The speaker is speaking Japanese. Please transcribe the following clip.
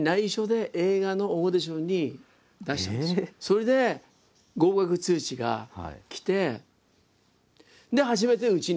それで合格通知が来てで初めてうちに話が来たんですよ。